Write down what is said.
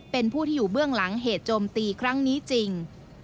เป็นผู้ที่อยู่เบื้องหลังเหตุโจมตีครั้งนี้จริง